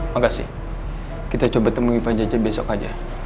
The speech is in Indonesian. makasih kita coba temuin pak jaja besok aja